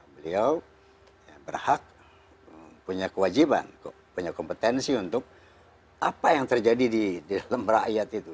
beliau berhak punya kewajiban punya kompetensi untuk apa yang terjadi di dalam rakyat itu